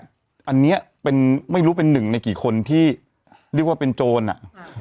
อันนี้เป็นไม่รู้เป็นหนึ่งในกี่คนที่เรียกว่าเป็นโจรอะ